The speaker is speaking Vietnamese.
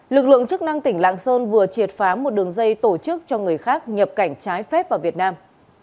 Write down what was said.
lực lượng chức năng tỉnh lạng sơn vừa triệt phá một đường dây tổ chức cho người khác nhập cảnh trái phép vào việt nam